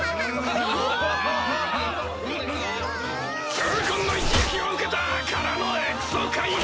痛恨の一撃を受けた！からのエクソ回避！